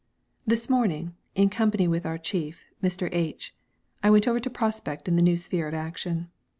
_ This morning, in company with our chief, Mr. H , I went over to prospect in the new sphere of action.